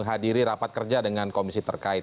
menghadiri rapat kerja dengan komisi terkait